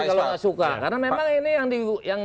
kalau nggak suka karena memang ini yang